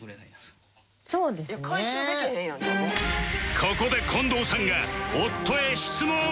ここで近藤さんが夫へ質問